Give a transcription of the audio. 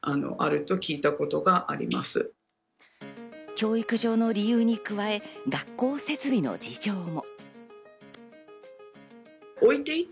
教育上の理由に加え学校設備の事情も。